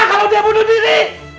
kalau dia bunuh diri